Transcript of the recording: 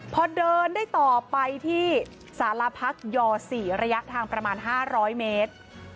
พอเดินได้ต่อไปที่สารพักย๔ระยะทางประมาณ๕๐๐เมตร